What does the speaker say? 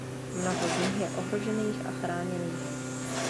Mnoho z nich je ohrožených a chráněných.